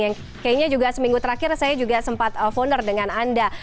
yang kayaknya juga seminggu terakhir saya juga sempat founder dengan anda